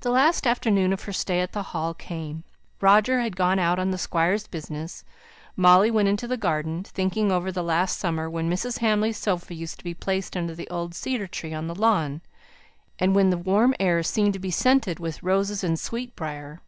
The last afternoon of her stay at the Hall came. Roger had gone out on the Squire's business. Molly went into the garden, thinking over the last summer, when Mrs. Hamley's sofa used to be placed under the old cedar tree on the lawn, and when the warm air seemed to be scented with roses and sweetbriar.